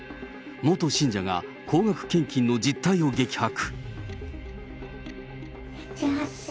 元信者が、高額献金の実態を激白。